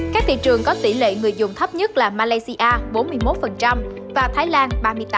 các thị trường có tỷ lệ người dùng thấp nhất là malaysia bốn mươi một và thái lan ba mươi tám